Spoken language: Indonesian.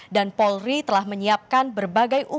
dan polri telah menyiapkan berbagai umum